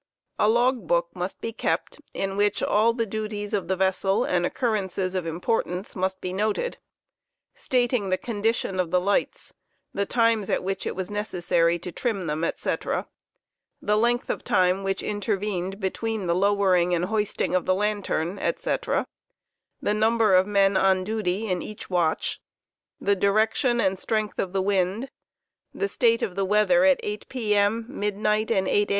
A log book must be kept in which all the duties of the vessel and occurrences Logtob* kept, of importance ^uiust bo noted, stating the condition of the lights, the times at which it necessary to trim them, &c; the length of time which intervened between the lowering and hoisting of the lantern, &e,, the number of men on duty in each watuh, the direction and strength of the wind, the slate of the weather at S p. m., niuluight, and S a. tn.